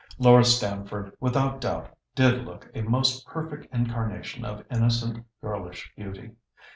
Laura Stamford without doubt did look a most perfect incarnation of innocent, girlish beauty.